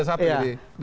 saya kan urus dpd